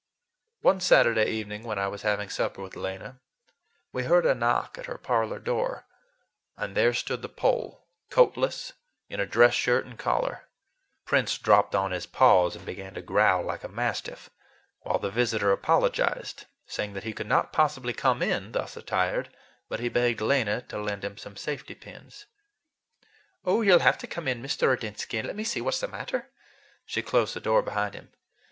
One Saturday evening when I was having supper with Lena we heard a knock at her parlor door, and there stood the Pole, coatless, in a dress shirt and collar. Prince dropped on his paws and began to growl like a mastiff, while the visitor apologized, saying that he could not possibly come in thus attired, but he begged Lena to lend him some safety pins. "Oh, you'll have to come in, Mr. Ordinsky, and let me see what's the matter." She closed the door behind him.